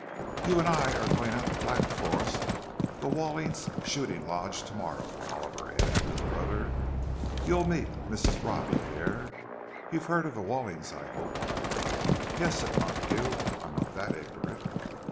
"You and I are going out to 'Black Forest,' the Wallings' shooting lodge, to morrow," Oliver added to his brother. "You'll meet Mrs. Robbie there. You've heard of the Wallings, I hope." "Yes," said Montague, "I'm not that ignorant."